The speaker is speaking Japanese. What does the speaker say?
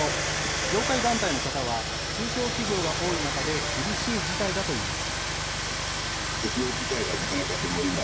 業界団体の方は、中小企業が多い中で厳しい事態だと言います。